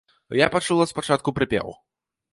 Я пачула спачатку прыпеў.